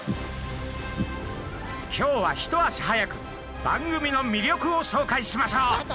今日は一足早く番組の魅力を紹介しましょう。